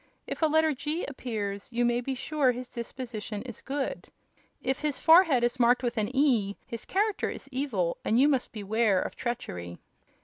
If a letter 'G' appears, you may be sure his disposition is good; if his forehead is marked with an 'E' his character is evil, and you must beware of treachery."